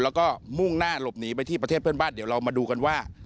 แล้วก็มุ่งหน้าหลบหนีไปที่ประเทศเพื่อนบ้านเดี๋ยวเรามาดูกันว่า